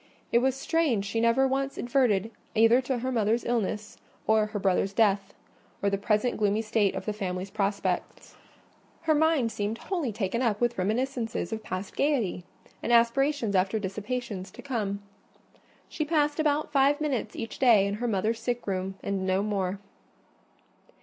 It was strange she never once adverted either to her mother's illness, or her brother's death, or the present gloomy state of the family prospects. Her mind seemed wholly taken up with reminiscences of past gaiety, and aspirations after dissipations to come. She passed about five minutes each day in her mother's sick room, and no more.